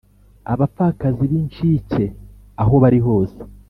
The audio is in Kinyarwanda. abapfakazi n’ inshike aho bari hose